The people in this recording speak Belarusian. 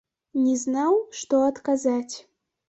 Не знаў, што адказаць.